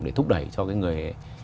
để thúc đẩy cho người